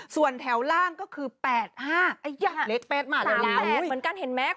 ส่วนแถวล่างก็คือแปดห้าไอ้ยักษ์เล็กแปดมาแล้วสามแปดเหมือนกันเห็นไหม